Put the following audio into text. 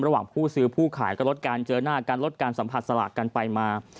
ผู้ซื้อผู้ขายก็ลดการเจอหน้าการลดการสัมผัสสลากกันไปมา